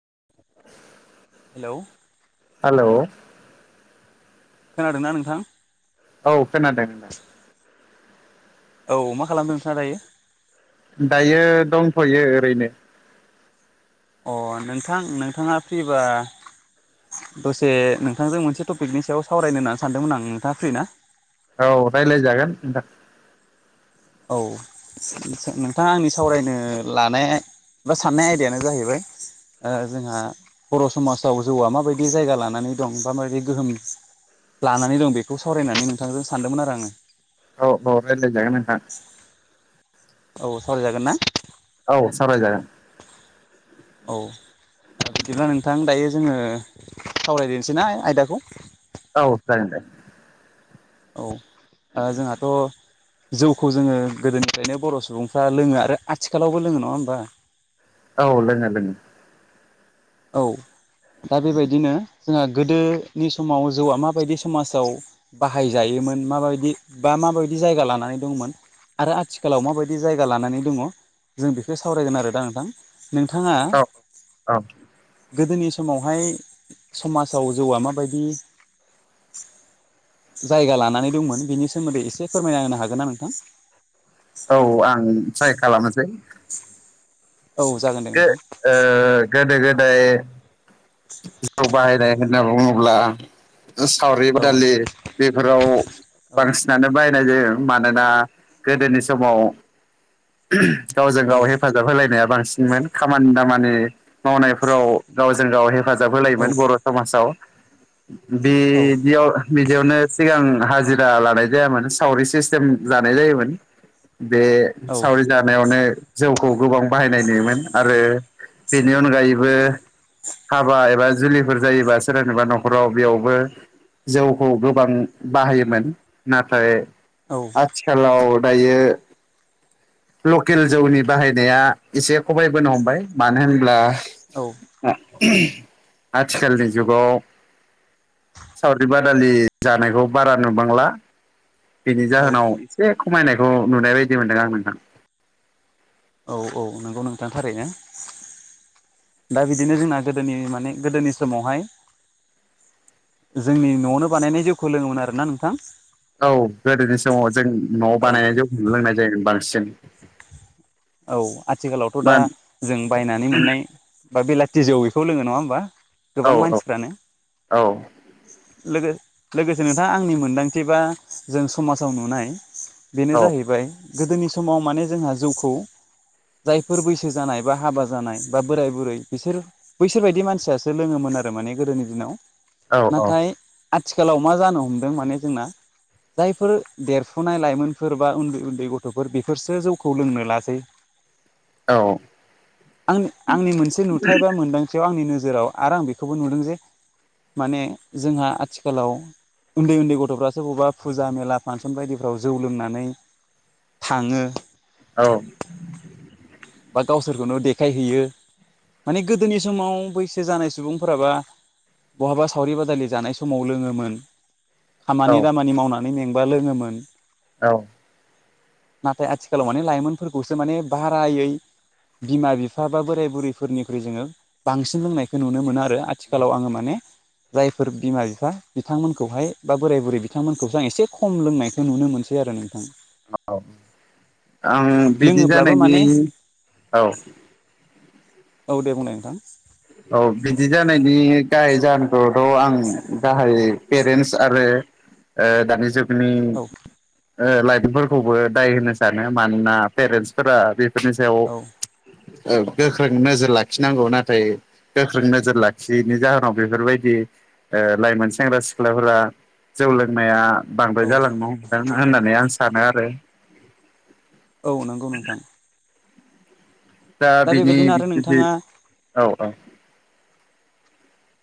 [unintelligible] हेल हेल खोनादोंना नोंथां खोनादों नोंथां औ मा खालामदो नोंथांङा दायो दायो दंथयो ओरैनो अ नोंथां नोंथाङा फ्रिबा दसे नोंथांजों मोनसे टपिकनि सायाव सावरायनो होनना सानदोंमोन आं नोंथांङा फ्रि ना औ रायलाय‌जागोन नोंथा औ नोंथांङा आंनि सावरायनो लानाय बा साननाय आयडायानो जाहैबाय ओ जोंहा बर समाजाव जौआ माबायदि जायगा लानानै दं बा मारै गोहोम लानानै दं बेखौ सावरायनानै नोंथांजों सानदोंमोन आरो आंङो औ औ रायज्लायजागोन नोंथां [inaudible] औ सावरायजागोन ना औ सावरायजागोन औ बिदिब्ला नोंथां दायो जोंङो सावरायदोनोसै ना आयदाखौ औ जागोन दे औ ओ जोंहाथ जौखौ जोंङो गोदोनिफ्रायनो बर सुबुंफ्रा लोंङो आरो आथिखालावबो लोंङो नङा होमबा औ लोंङो लोंङो औ दा बेबायदिनो जोंङो गोदोनि समाव जौआ माबायदि समाजाव बाहायजायोमोन माबायदि बा माबायदि जायगा लानानै दंमोन आरो आथिखालाव माबायदि जायगा लानानै दंङ जों बेखो सावरायगोन आरो दा नोंथां नोंथांङा औ औ गोदोनि समावहाय समाजाव जौआ माबायदि जायगा लानानै दंमोन बेनि सोमोन्दै एसे फोरमायना होनो हागोन ना नोंथां औ आं ट्राइ खालामनोसै औ जागोन दे ओ नोंथां गोदो गोदाय जौ बाहायनाय होन ना बुंङोब्ला सावरि औ बादालि बेफोराव औ बांसिनानो बाय नाय जायो मानोना गोदोनि समाव गावजों औ गाव हेफाजाब होलायनाया बांसि मोन खामानि दामानि मावनायफोराव गावजों गाव हेफाजाब औ होलायोमोन बर' समाजाव औ बेदियाव बिदियावनो सिगां हाजिरा लानाय जायामोन सावरि सिस्टेम जानाय जायोमोन बे सावरि जानायावनो जौखौ गोबां बाहायनाय नुोयोमोन आरो बेनि अनगायैबो हाबा एबा जुलिफोर जायोबा सोरनिबा न'खराव बेयावबो जौखौ गोबां बाहायोमोन नाथाय औ आथिखालाव दायो। लकेल जौनि बाहायनाया एसे खबाइबोनो हमबाय मानो होनब्ला औ आथिखालनि जुगाव सावरि बादालि जानायखौ बारा नुबांला बिनि औ जाहोनाव एसे खमायनायखौ नुनाय बायदि मोनदों आं नोंथां औ औ नोंगौ नोंथांथारैनो दा बिदिनो जोंना गोदोनि माने गोदोनि समावहाय जोंनि नआवनो बानायनाय जिवखौ लोंङोमोन आरोना नोंथां औ गोदोनि समाव जों न'आव औ बानायनाय जौखौनो लोंनाय जायोमोन बांसिन औ आथिखालावथ मा दा जों बायनानै मोननाय बा बेलाथि जौ बेखौ लोङो नङा होमबा औ गोबां औ मानसिफ्रानो औ लोगो-लोगोसे नोंथाङा आंनि मोन्दांथि बा जों समाजाव नुनाय बेनो जाहैबाय गोदोनि समाव माने जोंहा जौखौ जायफोर बैसो जानाय बा हाबा जानाय बा बोराय बुरै बिसोर बैसोर बायदि मानसियासो लोङोमोन आरो माने गोदोनि दिनाव औ औ नाथाय आथिखालाव मा जानो हमदों माने जोंना जायफोर देरफुनाय लाइमोनफोर बा उन्दै उन्दै गथ'फोर बेफोरसो जौखौ लोंनो लासै औ आं आंनि मोनसे नुथाय बा मोनदांथियाव आंनि नोजो जोराव आरो आं बेखौबो नुदों जे माने जोंहा आथिखालाव उन्दै उन्दै गथ'फ्र सोरो बबेबा फुजा मेला फांसन बायदिफ्राव जौ लोंनानै थाङो औ बा गावसोरखौनो देखायहैयो माने गोदोनि समाव बैसो जानाय सुबुंफोरा बा बहाबा सावरि बादालि जानाय समाव लोङोमोन। खामानि दामानि मावनानै मेंबा लोङोमोन। औ। नाथाय आथिखालाव माने लाइमोनफोरखौसो माने बारायै बिमा बिफा बा बोराय बुरैफोरनिख्रुइ जोङो बांसिन लोंनायखौ नुनो मोनो आ रो आथिखालाव आङो माने जायफोर बिमा बिफा बिथांमोनखौहाय बा बोराय बुरै बिथांमोनखौसो आं एसे खम लोंनायखौ नुनो मोनसै आरो नोंथां। औ। आं बिदि लोङोब्लाबो जानायनि माने औ औ दे बुंनाय नोंथां। औ बिदि जानायनि गाहाय जाहोनखौथ' आं गाहाय पेरेन्टस आरो ओ दानि जुग नि औ ओ लाइदोंफोरखौबो दाय होनो सानो मानोना पेरेन्टसफोरा बे बेनि सायाव औ ओ गोख्रों नोजोर लाखिनांगौ नाथाय गोख्रों नोजोर लाखियैनि जाहोनाव बेफोरबायदि ओ लाइमोन सेंग्रा सिख्लाफोरा जौ लोंनाया बांद्राय औ जालांनो हमदों होननानै आं सानो आरो। औ नंगौ नोंथां। दा बिनि बेबायदिनो आरो बिबादि नोंथाङा औ औ।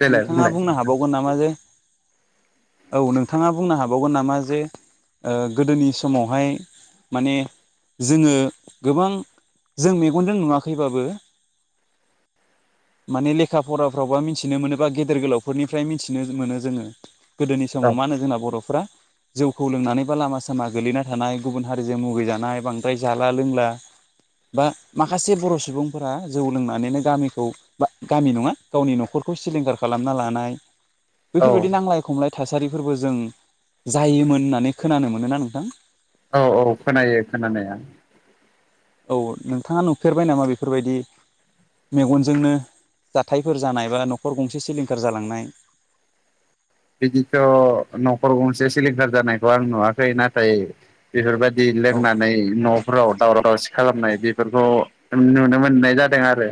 देलाय नोंथाङा बुंलाय बुंनो हाबावगोन नामा जे औ नोंथाङा बुंनो हाबावगोन नामा जे ओ गोदोनि समावहाय माने जोङो गोबां जों मेगनजों नुवाखैबाबो माने लेखा फराफ्रावबा मिथि थिनो मोनोब बा गेदेर गोलावफोरनिफ्राय मिथिनो मोनो जोङो। गोदोनि समाव औ मा होनो जोंना बर'फोरा जौखौ लोंनानैबा लामा सामा गोगलैना थानाय गुबुन हारिजों मुगैजानाय बांद्राय जाला लोंला बा माखासे बर' सुबुंफोरा जौ लोंनानैनो गामिखौ बा गामि नङा गावनि न'खर खौ सिलिंखार खालामना लानाय औ बेफोरबायदि नांलाय खमलाय थासारिफोरबो जों जायोमोन होननानै खोनानो मोनोना नोंथां? औ औ खोनायो खोनानाया। औ नोंथाङा नुफेरबाय नामा बेफोरबायदि मेगनजोंनो जाथायफोर जानाय बा न'खर गंसे सिलिंखार जालांनाय [inaudible] बिदिथ' न'खर गंसे सिलिंखार जानायखौ आं नुवाखै। नाथाय बेफोरबा दि औ लोंनानै न'फोराव दावराव दावसि खालामनाय बेफोरखौ नुनो मोननाय जादों आरो।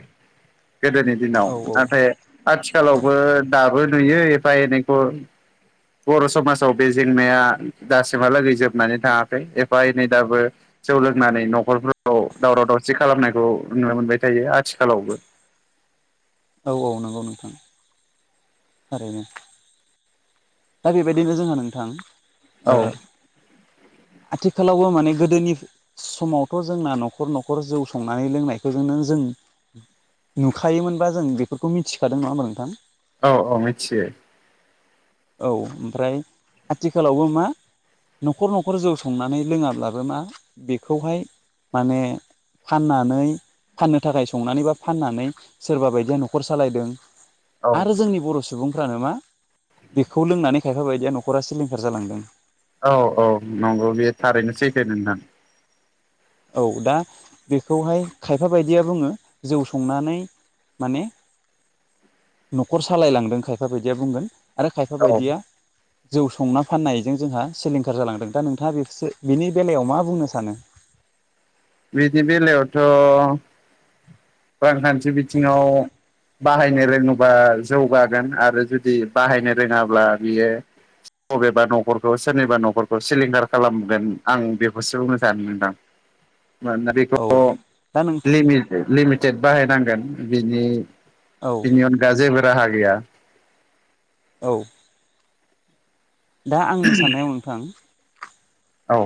गोदोनि दिनाव औ औ नाथाय औ आथिखालावबो दाबो नुयो एफा एनैखौ। बर' समाजाव बे जेंनाया दासिमहालागै जोबनानै थाङाखै एफा एनै दाबो जौ लोंनानै न'खरफोराव दावराव दावसि खालामनायखौ नुनो मोनबाय थायो आथिखालावबो। औ औ नंगौ नोंथां। थारैनो दा बेबायदिनो जोंङो नोंथां ओ औ आथिखालावबो माने गोदोनि समावथ' जोंना न'खर न'खर जौ संनानै लोंनायखौनो जों नुखायोमोनबा जों बेफोरखौ मिथिखादों नङा होमबा नोंथां? औ औ मिथियो। औ ओमफ्राय आथिखालावबो मा? न'खर न'खर जौ संनानै लोङाब्लाबो मा बेखौहाय माने फाननानै फाननो थाखाय संनानै बा फाननानै सोरबा बायदिया न'खर सालायदों औ आरो जोंनि बर' सुबुंफ्रानो मा बेखौ लोंनानै खायफा बायदिया न'खरा सिलिंखार जालांदों। औ औ नंगौ बे थारैनो सैथो नोंथां औ दा बेखौहाय खायफा बायदिया बुङो जौ संनानै माने नखर सालायलांदों खायफा बायदिया बुंगोन। आरो खायफा औ बायदिया जौ संना फाननायजों जोंहा सिलिंखार जालांदों। दा नोंथाङा बेसो बिनि बेलायाव मा बुंनो सानो? बिदि बेलायावथ' रांखान्थि बिथिङाव बाहायनो रोङोबा जौगागोन आरो जुदि बाहायनो रोङाब्ला बियो बबेबा नखरखौ सोरनिबा नखरखौ सिलिंखार खालामगोन आं बेखौसो बुंनो सानो नोंथां। मानोना औ बेखौ दा नों लिमिट लिमिटेड बाहायनांगोन बिनि औ बिनि अनगा जेबो राहा गैया। औ। दा आंनि साननायाव नोंथां औ।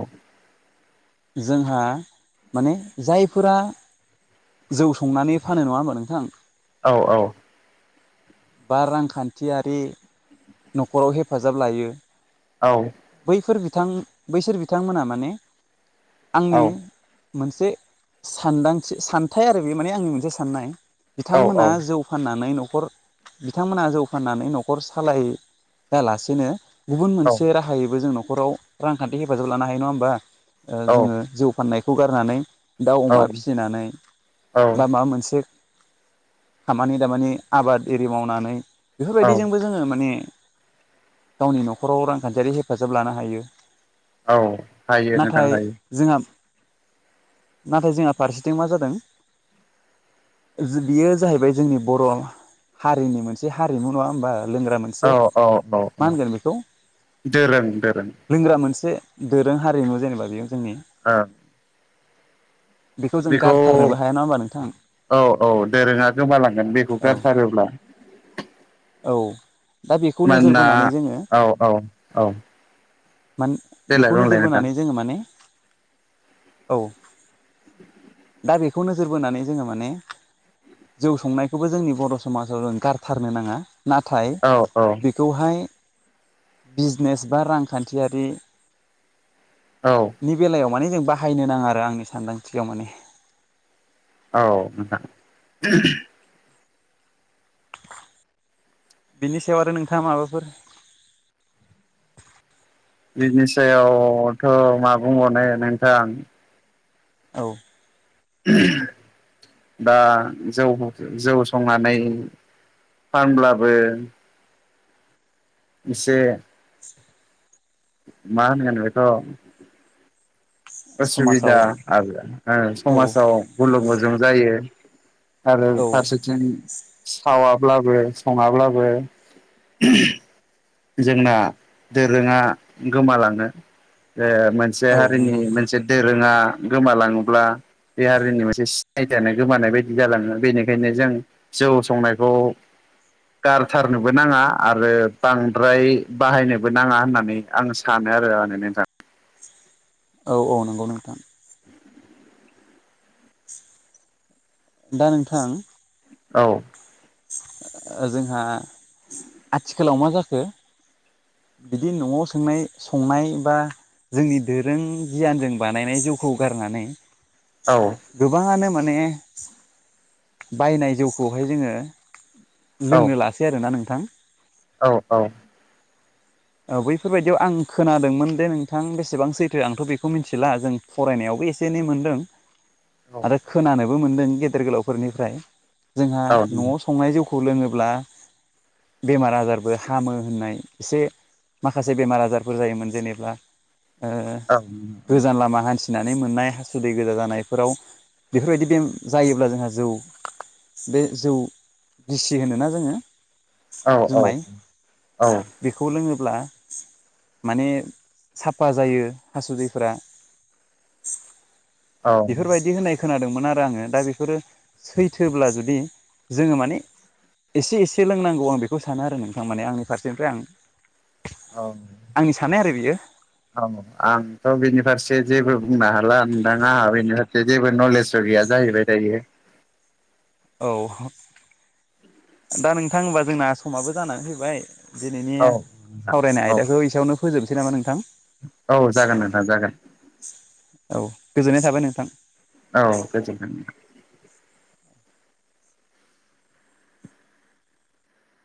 जोंहा माने जायफोरा जौ संनानै फानो। नङा होमबा नोंथां? औ औ। बा रांखान्थियारि नखराव हेफाजाब लायो। औ बैफोर बिथां बैसोर बिथांमोना माने आंनि औ मोनसे सानदांथि सानथाय आरो बे माने आंनि मोनसे साननाय। औ बिथांमोना जौ फाननानै नखर बिथांमोना जौ फाननानै नखर सालाय यालासेनो गुबुन औ मोनसे राहायैबो जों न खराव रांखान्थि हेफाजाब लानो हायो। नङा होमबा? ओ जोङो जौ फाननायखौ गारनानै दाउ औ अमा फिसिनानै बा माबा मोनसे खामानि दामानि आबाद एरि मावनानै औ बेफोरबायदिजोंबो जोङो माने गावनि न'खराव रांखान्थियारि हेफाजाब लानो हायो। औ हायो नोंथां नाथाय हायो जोंहा नाथाय जोंहा फारसेथिं मा जादों बियो जाहैबाय जोंनि बर' हारिनि मोनसे हारिमु। नङा होमबा? लोंग्रा मोनसे औ औ औ मा औ होनगोन बेखौ दोरों दोरों लोंग्रा मोनसे दोरों हारिमु जेनेबा बेयो जोंनि। ओं बेखौ जों गारथारनोबो हाया। नङा होमबा‌ नोंथां? औ औ दोरोङा गोमालांगोन बेखौ औ गारथारोब्ला। औ दा बेखौ नोजोर मानोना बोनानै जोङो औ औ औ। मान देलाय बेखौ बुंलाय नोजोर नोंथां बोनानै जोङो माने औ दा बेखौ नोजोर बोनानै जोङो माने जौ संनायखौबो जोंनि बर' समाजाव जों गारथारनो नाङा। नाथाय औ औ। [unintelligible] बिजनेस बा रांखान्थियारि औ नि बेलायाव माने जों बाहायनो नाङा आरो आंनि सानदांथियाव माने। औ नोंथां। बेनि सायाव आरो नोंथाङा माबाफोर [inaudible] बिनि सायावथ' मा बुंबावनो नोंथां। औ। दा जौ जौ संनानै फानब्लाबो इसे मा होनगोन बेखौ उसुबिदा समाजाव आरो औ समाजाव गुलुं गुजुं जायो। आरो औ फारसेथिं सावाब्लाबो सङाब्लाबो उम जोंना दोरोङा गोमालाङो। बे मोनसे औ हारिनि नंगौ नोंथां मोनसे दोरोङा। गोमालाङोब्ला बे हारिनि मोनसे सिनायथिआनो गोमानाय बायदि जालाङो बेनिखायनो जों। जौ संनायखौ गारथारनोबो नाङा आरो बां द्राय बाहायनोबो नाङा होननानै आं सानो आरो माने नोंथां। औ औ नंगौ नोंथां। दा नोंथां औ जोंहा आथिखालाव मा जाखो। बिदि नआव सोंनाय संनाय बा जोंनि दोरों गियानजों बानायनाय जौखौ गारनानै। औ गोबाङानो माने बायनाय जौखौहाय जोङो। औ लोंनो लासै आरोना नोंथां। औ औ बैफोरबायदियाव आं खोनादोंमोन दे नोंथां बेसेबां सैथो आंथ बेखौ मिथिला जों फरायनायाव। एसे एनै मोनदों आरो खोनानोबो मोनदों गेदेर गोलावफोरनिफ्राय जोंहा औ नआव संनाय जौ खौ लोङोब्ला बेमार आजारबो हामो होननाय एसे। माखासे बेमार आजारफोर जायोमोन जेनेबा ओ गोजान लामा हान्थि नानै मेंनाय हासुदै गोजा जानायफोराव बेफोरबायदि बे जायोब्ला जोंहा जौ। बे जौ गिसि होनोना जोङो? जुमाय औ बेखौ लोङो ब्ला माने साफा जायो हासुदैफोरा। औ औ बेफोरबायदि होन्नाय खोनादोंमोन आरो आङो दा बेफोरो सैथोब्ला जुदि जोङो माने एसे एसे लोंनांगौ आं बेखौ सानो आरो नोंथां माने आंनि फारसेनिफ्राय आं। आंनि सान्नाय आरो बियो। औ आंथ बिनि फारसे जेबो बुंनो हाला नोंथां आंहा बेनि फारसे जेबो नलेजबो गैय गैया जाहैबाय दायो। औ दा नोंथां होनबा जोंना समाबो जानानै फैबाय। दिनैनि औ सावरायनाय औ आयदाखौ एसेयावनो फोजोबनोसै नामा नोंथां। औ जागोन नोंथां जागोन। औ गोजोननाय थाबाय नोंथां। औ गोजोनथों।